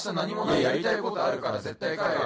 いややりたいことあるから絶対帰れよ。